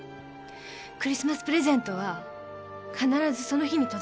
クリスマスプレゼントは必ずその日に届けられる。